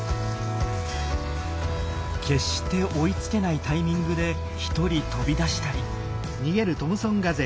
決して追いつけないタイミングで独り飛び出したり。